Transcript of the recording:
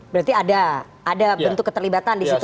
berarti ada bentuk keterlibatan di situ